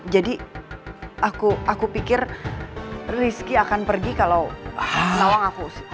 jadi aku pikir rizky akan pergi kalau nawang aku usir